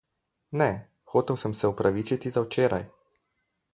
Ne, hotel sem se opravičiti za včeraj.